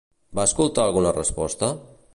Va escoltar alguna resposta?